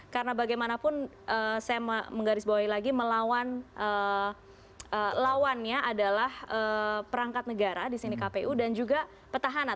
karena bagaimanapun saya menggarisbawahi lagi lawannya adalah perangkat negara di sini kpu dan juga petahanat